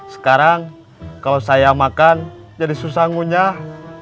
sekarang kalau saya makan jadi susah ngunyah